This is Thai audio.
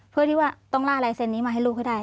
เพื่อที่ว่าต้องล่าลายเซ็นนี้มาให้ลูกให้ได้